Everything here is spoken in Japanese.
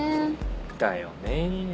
だよね。